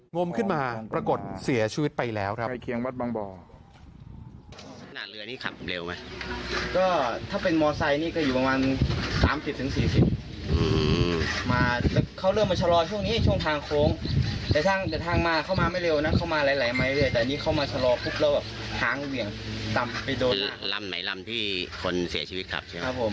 งมขึ้นมาปรากฏเสียชีวิตไปแล้วครับ